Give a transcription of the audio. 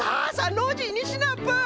ノージーにシナプー！